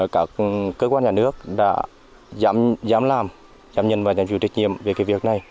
các cơ quan nhà nước đã dám làm dám nhận và nhắn chịu trách nhiệm về cái việc này